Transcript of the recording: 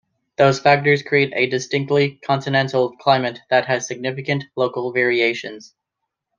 Those factors create a distinctly continental climate that has significant local variations.